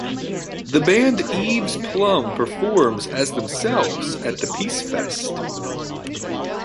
The band Eve's Plum performs, as themselves, at the Peace Fest.